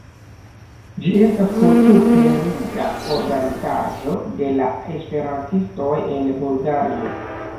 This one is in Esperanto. Ĝi estas kultur-kleriga organizaĵo de la esperantistoj en Bulgario.